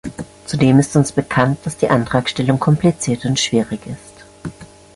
Zudem ist uns bekannt, dass die Antragstellung kompliziert und schwierig ist.